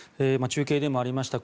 中継でもありました